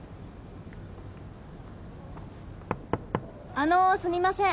あのすみません。